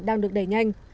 đang được đẩy nhanh